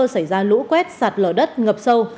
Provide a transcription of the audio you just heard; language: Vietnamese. xảy ra lũ quét sạt lở đất ngập sâu